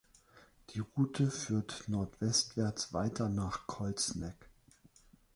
Die Route führt nordwestwärts weiter nach Colts Neck.